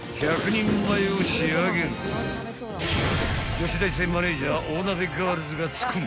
［女子大生マネージャー大鍋ガールズが作る］